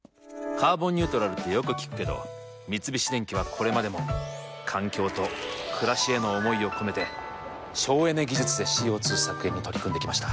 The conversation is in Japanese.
「カーボンニュートラル」ってよく聞くけど三菱電機はこれまでも環境と暮らしへの思いを込めて省エネ技術でＣＯ２削減に取り組んできました。